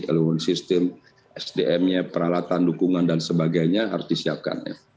elemen system sdm nya peralatan dukungan dan sebagainya harus disiapkan